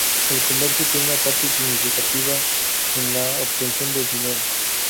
El comercio tiene una parte significativa en la obtención de dinero.